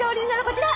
こちら。